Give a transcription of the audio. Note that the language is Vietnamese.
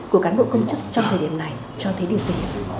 của công chức trong thời điểm này cho thấy điều gì